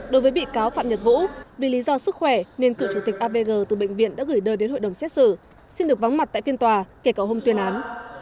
đối với bị cáo phạm nhật vũ vì lý do sức khỏe nên cựu chủ tịch avg từ bệnh viện đã gửi đời đến hội đồng xét xử xin được vắng mặt tại phiên tòa kể cả hôm tuyên án